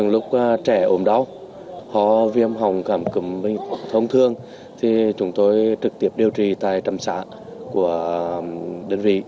lúc trẻ ốm đau khó viêm hỏng cảm cấm thông thương thì chúng tôi trực tiếp điều trị tại trăm xã của đơn vị